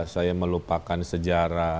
saya melupakan sejarah